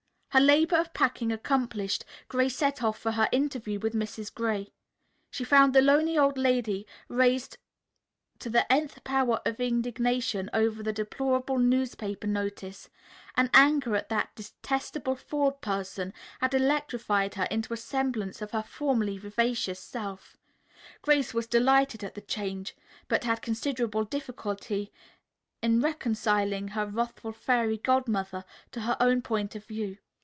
Her labor of packing accomplished, Grace set off for her interview with Mrs. Gray. She found the lonely old lady raised to the nth power of indignation over the deplorable newspaper notice. Anger at that "detestable Forde person" had electrified her into a semblance of her formerly vivacious self. Grace was delighted at the change, but had considerable difficulty in reconciling her wrathful Fairy Godmother to her own point of view.